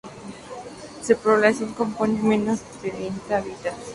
Su población se compone de menos de treinta habitantes.